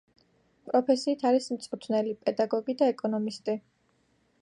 პროფესიით არის მწვრთნელი–პედაგოგი და ეკონომისტი.